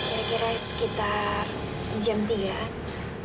kira kira sekitar jam tiga an